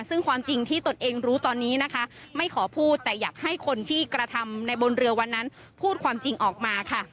ซึ่งความจริงที่ตนเองรู้ตอนนี้นะคะไม่ขอพูดแต่อยากให้คนที่กระทำในบนเรือวันนั้นพูดความจริงออกมาค่ะ